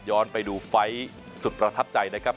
ไปดูไฟล์สุดประทับใจนะครับ